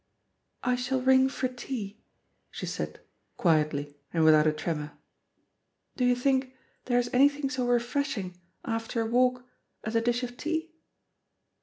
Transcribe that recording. "I shall ring for tea," she said, quietly and without a tremor; "do you think there is anything so refreshing after a walk as a dish of tea?"